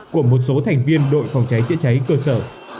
của một số thành viên đội phòng cháy chữa cháy cơ sở